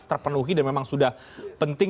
terpenuhi dan memang sudah penting